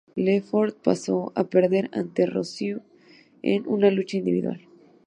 Lefort pasó a perder ante Rusev en una lucha individual.